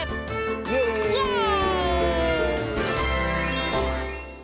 イエーイ！